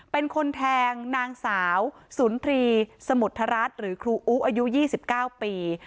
เป็นคนแทงนางสาวศูนย์ทรีย์สมุทรรัฐหรือครูอู๋อายุยี่สิบเก้าปี